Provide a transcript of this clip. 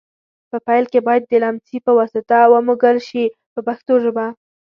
په پیل کې باید د لمڅي په واسطه ومږل شي په پښتو ژبه.